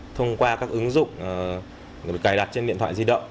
thông qua các ứng dụng được cài đặt trên điện thoại di động